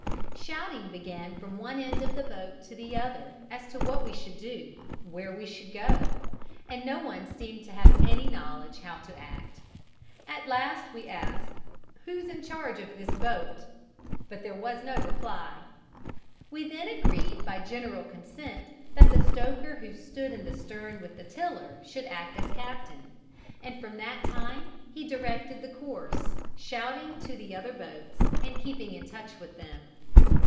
Shouting began from one end of the boat to the other as to what we should do, where we should go, and no one seemed to have any knowledge how to act. At last we asked, "Who is in charge of this boat?" but there was no reply. We then agreed by general consent that the stoker who stood in the stern with the tiller should act as captain, and from that time he directed the course, shouting to other boats and keeping in touch with them.